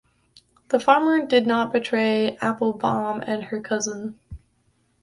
The farmer did not betray Applebaum and her cousin.